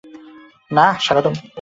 না, স্বাগতম।